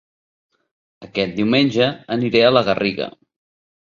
Aquest diumenge aniré a La Garriga